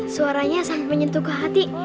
suaranya sampai menyentuh ke hati